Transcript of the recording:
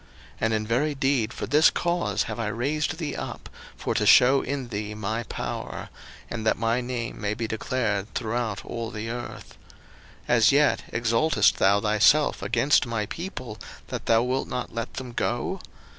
02:009:016 And in very deed for this cause have I raised thee up, for to shew in thee my power; and that my name may be declared throughout all the earth. 02:009:017 As yet exaltest thou thyself against my people, that thou wilt not let them go?